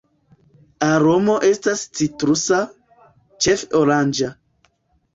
Aromo estas citrusa, ĉefe oranĝa.